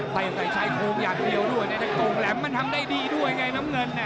ใส่ชายโครงอย่างเดียวด้วยนะแต่โกงแหลมมันทำได้ดีด้วยไงน้ำเงิน